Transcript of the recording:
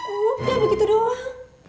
udah begitu doang